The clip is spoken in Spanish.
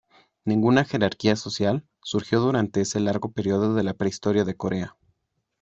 Ninguna jerarquía social surgió durante este largo periodo de la prehistoria de Corea.